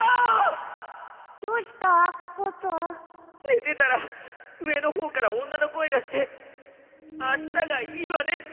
寝てたら上の方から女の声がして「あしたがいいわね」って